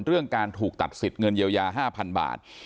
เรื่องการถูกตัดสิทธิ์เงินเยียวยา๕๐๐๐บาท